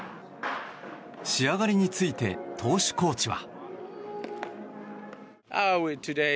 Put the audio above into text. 仕上がりについて投手コーチは。